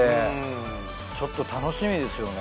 ちょっと楽しみですよね。